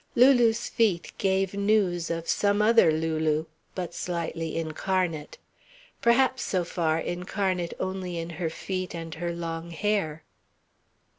Lulu's feet gave news of some other Lulu, but slightly incarnate. Perhaps, so far, incarnate only in her feet and her long hair.